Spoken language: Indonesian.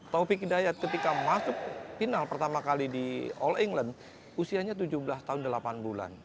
taufik hidayat ketika masuk final pertama kali di all england usianya tujuh belas tahun delapan bulan